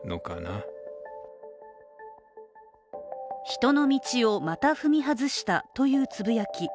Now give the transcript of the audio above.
「人の道をまた踏み外した」というつぶやき。